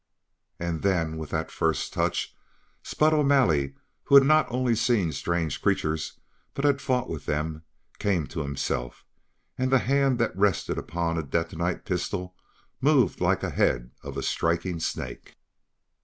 And then, with that first touch, Spud O'Malley, who had not only seen strange creatures but had fought with them, came to himself and the hand that rested upon a detonite pistol moved like the head of a striking snake.